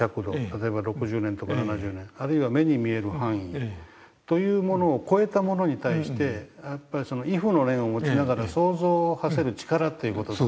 例えば６０年とか７０年あるいは目に見える範囲というものを越えたものに対してやっぱり畏怖の念を持ちながら想像をはせる力という事。